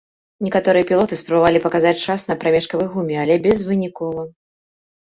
Некаторыя пілоты спрабавалі паказаць час на прамежкавай гуме, але безвынікова.